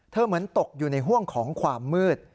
เหมือนตกอยู่ในห่วงของความมืด